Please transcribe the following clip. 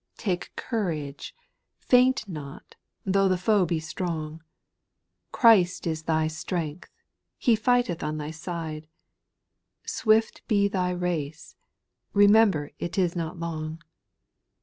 4. Take courage, faint not, tho' the foe be strong, Christ is thy strength I He fightcth on thy side ; Swift be thy race ; remember 'tis not long.